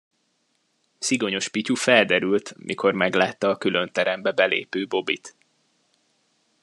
Szigonyos Pityu felderült, mikor meglátta a különterembe belépő Bobbyt.